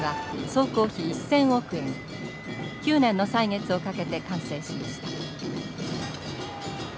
９年の歳月をかけて完成しました。